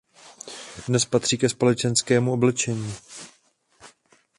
Dnes patří ke společenskému oblečení.